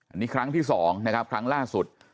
อันนี้ครั้งที่๒นะครับครั้งล่าสุด